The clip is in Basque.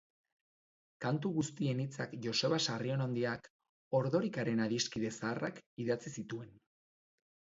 Kantu guztien hitzak Joseba Sarrionandiak, Ordorikaren adiskide zaharrak, idatzi zituen.